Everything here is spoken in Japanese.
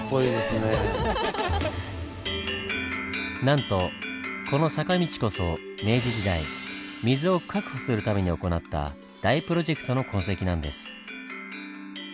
なんとこの坂道こそ明治時代水を確保するために行った大プロジェクトの痕跡なんです。